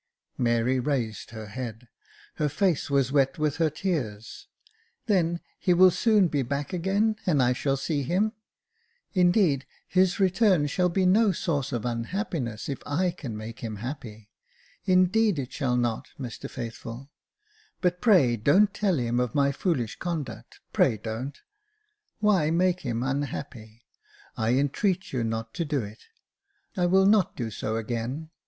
Mary raised her head — her face was wet with her tears. *' Then, he will soon be back again, and I shall see him. Indeed, his return shall be no source of unhappiness, if I can make him happy — indeed, it shall not, Mr Faithful ; but pray don't tell him of my foolish conduct, pray don't — why make him unhappy ?— I entreat you not to do it. I will not do so again.